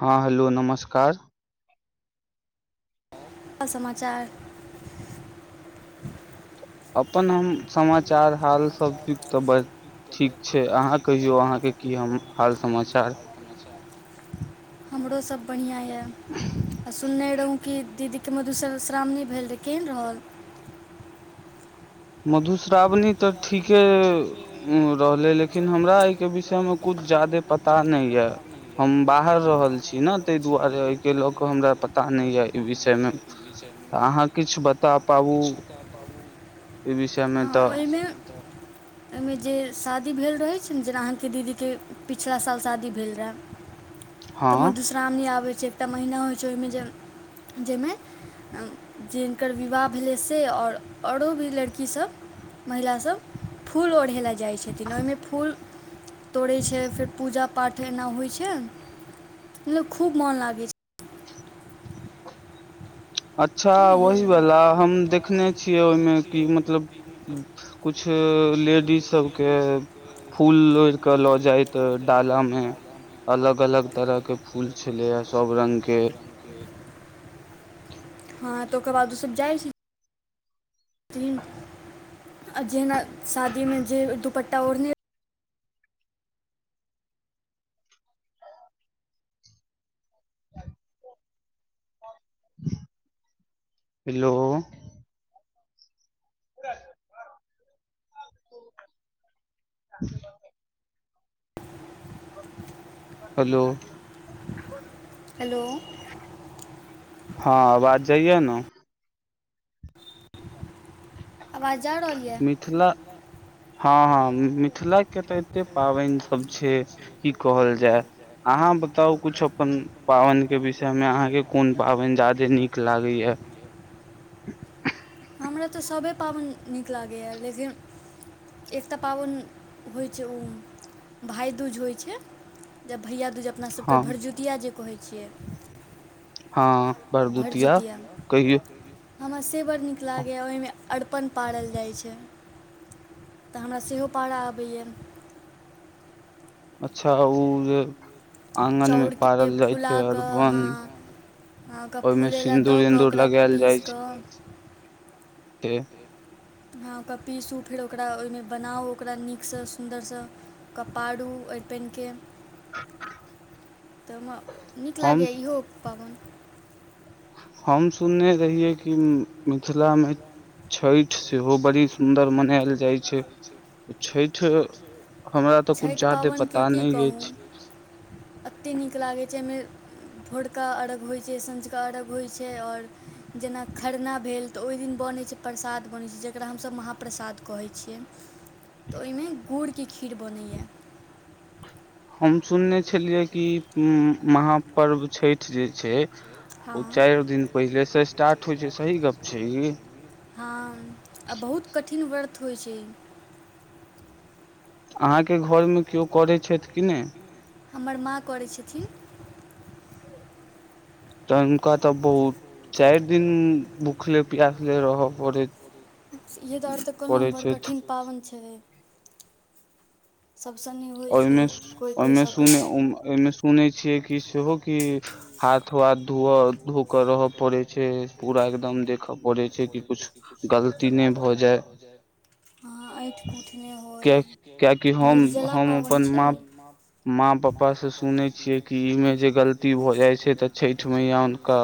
हॅं हेलो नमस्कार। अ समाचार अपन हम समाचार हाल सब चिज तऽ बढ़ ठीक छैयअहाँ कहियौ अहाँके की हम हाल समाचार। [inaudible] सब बढ़िआँ ये। आ सुनने रहों कि दीदीके मधुश्रवश्रावणी भेल रहै केहन रहल। मधुश्रावणी तऽ ठीके रहलै लेक किन हमरा एहिके विषयमे कुछ जादे पता नहि ये हम बाहर रहल छी न तय दुआरे एहि के लौ क हमरा पता नै ये इ विषय में अहा किछ बता पाबू ई विषयमे हँ तऽ ओहिमे ओहिमे जे शादी भेल रहैत छैय ने जेना अहाँके दीदीके पिछिला साल शादी भेल रहए। तऽ हँ मधुश्रावणी आबैत छैय एकटा महीना होइ छैय ओहिमे जे जहिमे जिनकर विवाह भेलै से और ओरो भी लड़कीसभ। महिलासभ फूल ओढ़य लेल जाइत छथिन ओहिमे फूल तोड़ै छैय। पूजा पाठ एना होइ छैय मतलब खूब मोन लागै छैय। अच्छा ओही वला हम देखने छियै ओहिमे कि मतलब कुछ लेडीज सब के फूल लोढ के लो जाइत डाला मे। अलग-अलग तरह के फूल छलैए सब रंग के। [inaudible] हँ तऽ ओकर बाद ओसभ जाइ छैय। आ जेहना शादीमे जे दुपट्टा ओढ़ने [unintelligible] हेलो। [unintelligible] [unintelligible] हेलो। हेलो। हँ आवाज जाइए ने। आवाज जा रहल ए। मिथिला हँ मिथिला के तऽ एते पाबनि सब छैय की कहल जाय। अहाँ बताउ कुछु अपन पावैन के विषय में अहा के कोन पावैन ज्यादे नीक लागे ये। [inaudible] हमरा तऽ सभे पाबनि नीक लागैए लेकिन एकटा पाबनि होइ छैय ओ भाइदूज होइत छैय जब भैय दूज अपना सबके हँ भरदुतिया जे कहै छियै। हँ भरदुतिया भरदुतिआ कहियौ। हमरा से बड़ नीक लागैए ओहिमे अरपन पारल जाइत छैय। तऽ हमरा सेहो पारऽ आबैए। अच्छा उ जे आगन मे चाउरके पारल जाइ छैय अरपन। हाँ ओकरा फूलय ल दऽ कऽ ओकरा पीस कऽ ते हँ ओकरा पीसू, फेर ओकरा ओहिमे बनाउ, ओकरा नीकसँ सुन्दरसँ क पारू। अरपन के तऽमे नीक हम लागैए इहो पाबन। हम सुनने रहियै कि मिथिला मे छैठ सेहो बड़ी सुन्दर मनायल जाइ छैय। छैठ हमरा तऽ कुछ छैठ जादे पाबेन के पता की नहि कहू अछि एतेक नीक लागैत छै एहिमे। भोरका अर्घ होइत छै सँझका अर्घ्य होइत छैय और जेना खरना भेल तऽ ओहि दिन दिन बनै छै प्रसाद बनैत छै जकरा हमसभ महाप्रसाद कहैत छियै। तऽ ओहिमे गुड़के खीर बनैए। हम सुनने छलियै कि महापर्व छै। हँ जे ओ चारि दिन पहिले से स्टार्ट होइ छै सही गप छै ई [unintelligible] हँ आ बहुत कठिन व्रत होइ छैय। अहाँके घरमे केओ करैत छैथ कि नै। हमर माँ करै छथिन। तन हुनका तऽ बहुत चाइर दिन भुखले प्यासले रहब पड़ेत यए दुआरे तऽ कहलहुँ बड़ कठिन पाबैन छैय। सभसँ नहि होइ ओहिमे छैय कोइ कोइ सकै सुन छिये की सेहो की हाथ वाथ धो धो क रहय पड़े छैय पूरा एकदम देखय पड़ैत छै कि किछु गलती नहि भऽ जाय। हाँ ऐठ कूठ नहि होय किया ह कियाकि हम निर्जला। हम पाबनि अपन छै माँ, माँ पापा से सुनै छी। छिये कि इ में जे गलती भ जाय छैय तऽ छैठ मैया उनका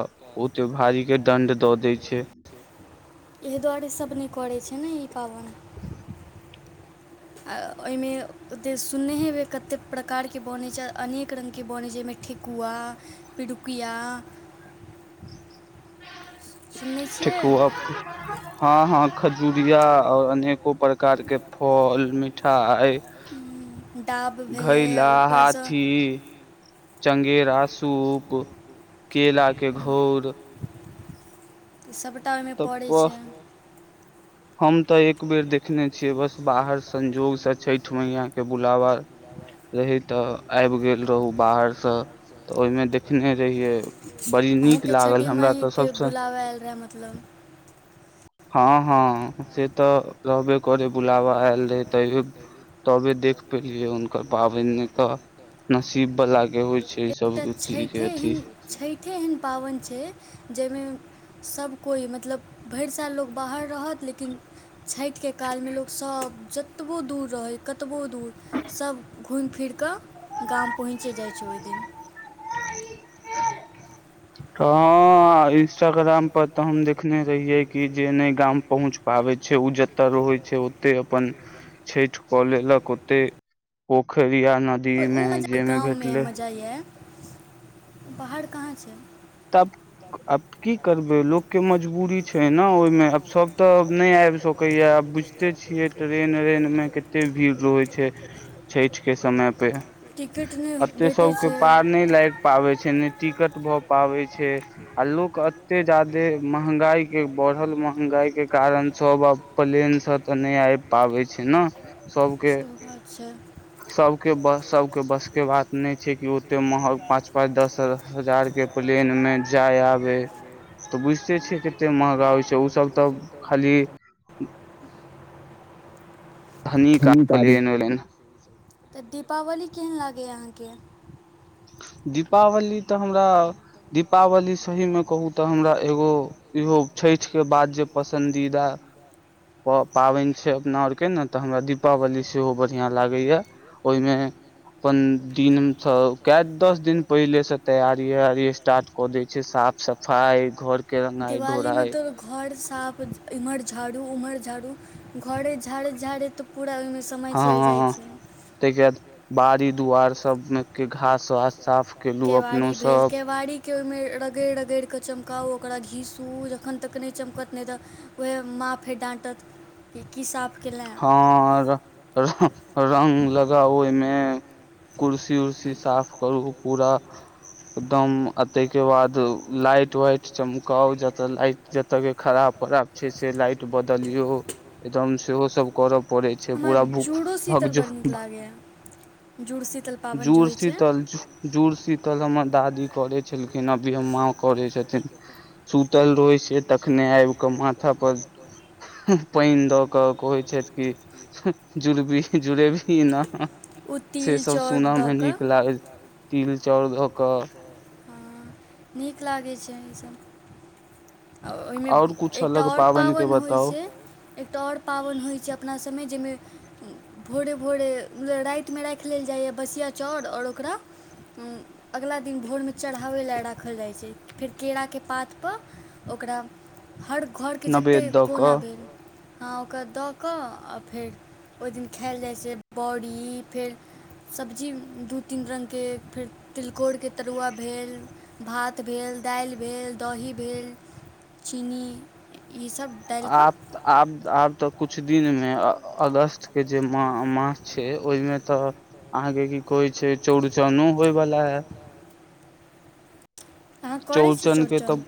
ओते भारी के दंड दौत। दै छैय। एहि दुआरे सभ नहि करै छैय ने। [inaudible] अऽ ओईमे ओते सुनने हेबै कतेक प्रकारके बनै छैय अनेक रंगके बनै छैय ओईमे ठेकुआ, पिडुकिया [inaudible] [unintelligible] छियै ठेकुआ हँ हँ खजुरिया और अनेको प्रकार के फल मिठाई डाभ भेलै घैला, ऊपरसँ हाथी चंगेरा, सूप, केलाके घौर सबटा ओईमे पड़ै तऽ छैय। हम तऽ एक बेेर देखने छियै बस बाहर स संजोग से छैठ मैयाँ के बुलाबा रहे तऽ आबि गेल रहू बाहर स त ओईमे देखने रहियै, बड़ी नीक अहूँके लागल छठि हमरा त माइके सबसे बुलाबय आयल रहए मतलब हँ हँ, से त रहबे करै बुलाबा आयल रहै तैयो तबे देख पेलियै हुनकर पाबनि, नै त नसीब वलाके होइ छै ई एकटा सब चीज के छठिेए अथी एहन, छठिेए एहन पाबनि छै जईमे सभ कोइ, मतलब भरि साल लोक बाहर रहत लेकिन छठिके कालमे लोकसभ, जतबो दूर रहै कतबो दूर सभ घुमि फिरि क गाम पहुँचे जाइ छै ओई दिन। [inaudible] हं, ईंस्टाग्राम पर त हम देखने रहियै कि जे नई गाम पहुँच पाबै छै ओ जत रहै छै ओतय अपन छठि क लेलक ओतेय पोखरि या नदी मे जैमे भेटलै। पहाड़ कहाँ छै? तब अब की करू? लोकके मजबूरी छैने ओईमे आब सभ त नै आबि सकैये आब बुझिते छियै त ट्रेन रेन मे केते भीड़ रहै छै छठि के समय पे टिकट नहि अते भेटै सभके छै पार नै लागि पाबैय छै, ने टिकट भ पाबै छै आ लोक एते जादे महंगाई के बढ़ल महंगाई के कारण सब आब प्लेन स त नै आईब पाबै छै न। सेहो बात छै। सबके बस सबके बस के बात नहि छै कि ओते महग पाँच पाँच दस हजार के प्लेन में जाय आबै त बुझिते छियै केते महंगा होइ छै ओसभ त खाली धनिक आ प्लेन उलेन त दीपावली केहन लागैए अहाँके? दीपावली त हमरा दीपावली सहीमे कहू त हमरा एगो छठि के बाद जे पसन्दीदा प पाबनि छै अपना आरके ने त हमरा दीपावली सेहो बढ़ियां लागैए। ओईमे अपन दिनसँ कए दस दिन पहिले से तैयारी वैयारी स्टार्ट क दै छै साफ सफाई घर के रंगाइ दिवालीमे ढोराइ त घर साफ एमहर झाड़ू ओम्हर झाड़ू घरे झाड़ैत झाड़ैत त हँ हँ हँ, त जब बाड़ी दुआर सब मिल के घास वास साफ केलु, अपनो केवाड़ी भेल सब। केवाड़ीके ओहिमे रगड़ि रगड़िके चमकाउ, ओकरा घीसू जखन तक नहि चमकत, नहि त वैज्ञ माँ फेर डाँटत की की साफ केलेँ हँ, रंग लगाउ ओहिमे कुर्सी उर्सी साफ करू पूरा एकदम आ ताहिके बाद लाइट वाइट चमकाउ जते लाइट, जते के खराब खराब छै से लाइट बदलियो एकदम सेहो सब करब पड़ै छै, हमरा पूरा भ जूडो शीतल भग बड़ नीक [unintelligible] लागैए जुड़शीतल पाबनि जे जुड़ होइ शीतल, जुड़ शीतल हमरा दादी करै छलखिने माँ करै छथिन सुतल रहै छैयतखने अ कऽ माथा पर पानि दऽ कऽ क कहै छथि कि जुड़बी जुड़ेबी न। ओ से तिल सब सुना में दऽ कऽ नीक लाग ती चाउर धो कऽ हँ नीक लागै छै इसभ। आ ओहिमे और कुछ एकटा अलग और पाबनि के पाबन होइ बताउ छैय। एकटा और पाबैन होइत छैय अपनासभमे जहिमे भोरे भोरे रातिमे राखि लेल जाइए बसिया चाउर और ओकरा अगलाा दिन भोर मे चढ़ावै ला रा खल जाइ छैय फेर केराके पातपर ओकरा हर घरके नवेद जतेक दऽ कोना कऽ भेल हँ ओकरा दऽ कऽ आ फेर ओहि दिन खायएल जाइ छैय बड़ी फेर सब्जी दू तीन रंग के फेर तिलकोर के तरुआ भेल। भात भेल, दाइल भेल, दही भेल, चीनी ईसभ डालि कऽ आब आब आब तऽ कुछ दिनमे अगस्त के जे मा माछ छैय ओहिमे तऽ अहाँके की कहई से चौड़चनो होय वाला हय। अहाँ करैत छी चौरचन के तब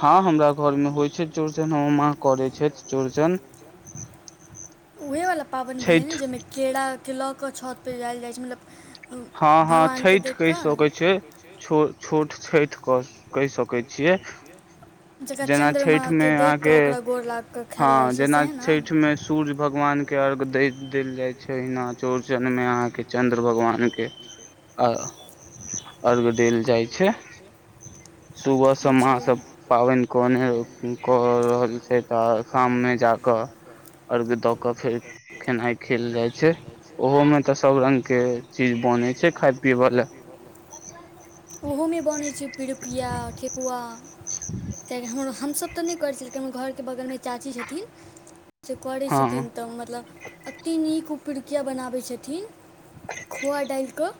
हँ हमरा घर मे होइ छैय चौड़चन हमर माँ करै छथि चौड़चन उएह बला पाबनि भेलै ने छठि जाहिमे केराके लऽ कऽ छतपर जायल जाइत छैय मतलब हँ हँ भगवानके छैठ देखि केह कऽ सकै छैय छोट छैठ क कैह सक सकै छियै। जकरा जेना छैठ मे चन्द्रमाके देखि कऽ अहाँके ओकरा गोर लागि कऽ हँ खायल जाइत छै जेना सएह ने छैठ मे सूर्य भगवान के अर्घ्य द देल जाय छैय जना चौड़चन में अहा के चंद्र भगवान के आ अर्घ देल जाइ छैय। सुबह शाम अहाँ अच्छा सब पाबनि कोने कऽ रहल छैय तऽ सामने जा कऽ अर्घ द के फेर खेनाइ खेल जायत ओहोमे तऽ सब रंग के चीज बनै छैयखाय पियै बला। ओहोमे बनैत छै पिरुकिया ठेकुआ किएकि हमर हमसभ तऽ नहि करै छलियिन हमर घरके बगलमे चाची छथिन करे हँ छथिन तऽ मतलब अते नीक खू पिरुकिया बनाबै छथिन खोआ डालिकऽ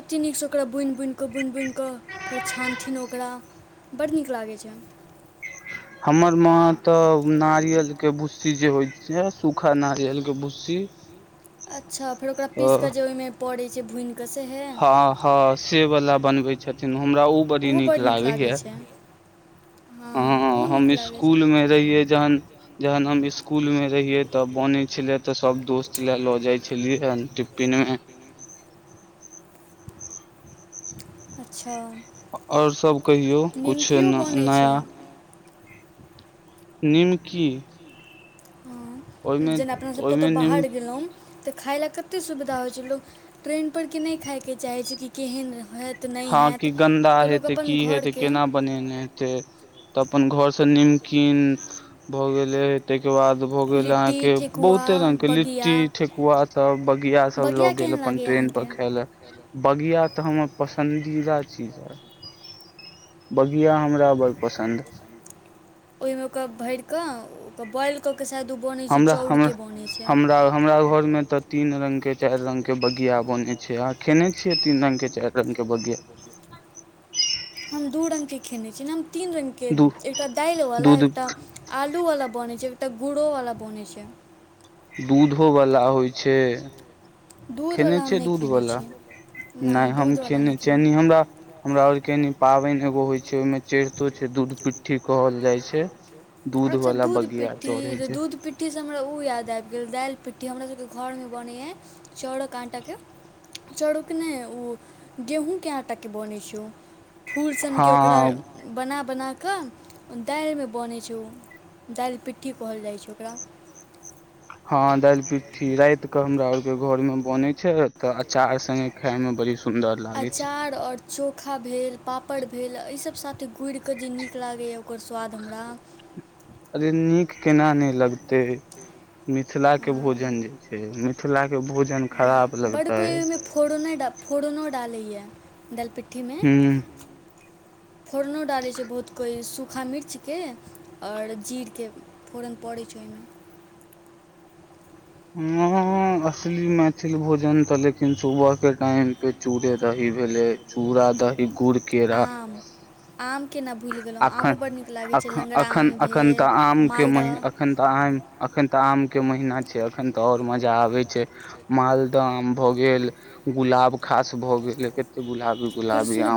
अति नीकसँ ओकरा बुनि बुनि कऽ बुनि बुनि कऽ फेर छानथिन ओकरा। बड नीक लागै छैय। हमर माँ तऽ नारियल के भुस्सी जे होइ छैय सूखा नारियल के भुस्सी अच्छा फेर ओकरा पीस अ कऽ जे ओहिमे पड़ैत छैय भुनि कऽ हँ हँ से बला बनबै छथिन हमरा ओ बड़ी ओहो नीक बड लागैए। लागै छै ओहो हँ नीक हम लागै छै इसकुलमे रहियै जहन जहन हम स्कूल में रहिये तऽ बने छले ते सब दोस्त ले लो जाइ छलियै ह टिफिन मे। अच्छा। आ और सब कहियौ कुछ निमकियो न बनै नया छै निमकी हँ ओहिमे जेना अपनासभ कतो ओहिमे निम बाहर गेलों तऽ खाय लेल कत्ते सुविधा होइत छै लोक, ट्रेन पर कि नहि खायके चाहैत छै कि केहन हैत। नहि हँ हैत क गन्दा तऽ लोक हेतै, अपन की हेतै, घरके केना बनेने हेते। तऽ अपन घर से नीमकीन भऽ गेले त। के बाद भ गेल अहाँ लिट्टी के ठेकुआ बहुते रंग के बगिया लिट्टी, ठेकुआ सब, बगिया सब ल केहन गेल। अपन लागैए ट्रेन पर अहाँके खायले, बगिया तऽ हमर पसन्दीदा चीज ह। बगिया हमरा बड़ पसन्द। ओहिमे ओकरा भरि कऽ ओकरा बॉइल कऽ क। हमरा हम, हमरा घर में त तीन रंग के। चारि रंग के बगिया बने छै, अहाँ खेने छियै तीन रंग के, चारि रंग के बगिया। [inaudible] हम दू रंग के खेने छीय, हम तीन रंग के दू एकटा दालिवालला दूध एकटा आलूवला। बनै छै, एकटा गुड़ोवाला बनै छै। दूधो वला होइ छै। खेने दूधवला हम छिय नहि दूध खेने वला छी नहि, हम दूधवला नहि खेने खेलहुँ छियै हमरा, हमरा आरके। पाबनि एगो होइ छै, ओहि में चढ़ितो छै दूध-पिट्ठी कहल जाइ छै। अच्छा वाला दूध बगिया पिट्ठी, चढ़े तऽ छै दूध पिट्ठी हमरा ओ याद आबि गेल दालि पिट्ठी। कुट्टी हमरा सभके घर में बनैए चाउड़क आँटाके। चऊड़क नइ ओ गेहूँके आटाकेँ बनै छै ओ। फूल हँ सनके ओकरा बना-बना कऽ दालिमें बनै छै ओ। दालि-पिट्ठी कहल जाइ छै ओकरा। हँ दालि पिट्ठी, राइत कऽ हमरा आरके घर में बनै छै तऽ। अचार संगे खाय में बड़ी सुंदर लागे छै अचार आओर चोखा भेल, पापड़ भेल, एहि सब। साथे घुरिकऽ जे नीक लागैए ओकर स्वाद हमरा। अरे नीक केना नहि लगते, मिथिला के भोजन जे छै मिथिला के। भोजन खराब बड लगतै कोइ ओहि में फोड़ फोड़नो डालैए दलिपिट्टी। हू। फोड़नो डालैत छै बहुत कोई सूख। सुखा मिर्चके आओर जीरके फोरन पड़ैत छै ओहिमे। [inaudible] हां, असली मैथिल भोजन त लेकिन सुबह के टाइम पे चूड़े दही भेले। चूड़ा, दहि, गूड़, केरा। आम आमके ने भूलि गेलहुँ एखन, आमो बड़ नीक लागै छै एखन, लङ्गड़ा आम एखन तऽ भेल आम के मही मालदह एखन तऽ आम। एखन तऽ आम के महीना। एखन तऽ आओर मजा आबे छै, मालदह आम भऽ गेल, गुलाब खास भऽ गेल। पहिले कते गुलाबी- गुलाबी कृष्ण आम।